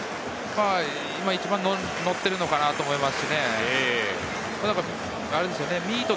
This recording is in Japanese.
今、一番のっているのかなと思います。